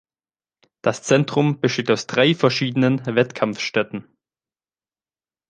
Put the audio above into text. Das Zentrum besteht aus drei verschiedenen Wettkampfstätten.